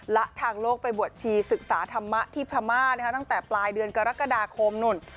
และทางโลกไปบวชชีศึกษาธรรมะที่พม่าตั้งแต่ปลายเดือนกรกฎาคมนู่น